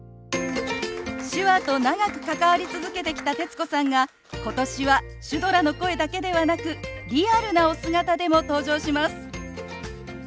手話と長く関わり続けてきた徹子さんが今年はシュドラの声だけではなくリアルなお姿でも登場します。